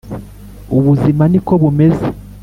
ubuzima niko bumeze